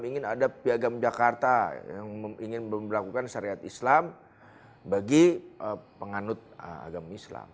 ingin ada piagam jakarta yang ingin melakukan syariat islam bagi penganut agama islam